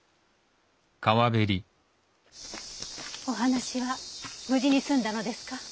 お話は無事に済んだのですか？